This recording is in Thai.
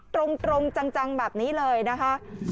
ตรงจังแบบนี้เลยนะคะ